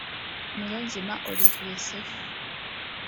Niyonzima Olivier Sefu